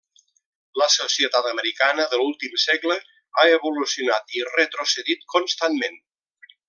La societat americana de l'últim segle ha evolucionat i retrocedit constantment.